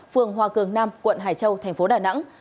phường hòa cường nam quận hải châu thành phố đà nẵng